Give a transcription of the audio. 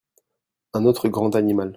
Un autre grand animal.